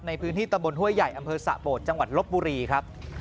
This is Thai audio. ในพื้นที่ตำบลห้วยใหญ่อำเภอสะโบดจังหวัดลบบุรีครับ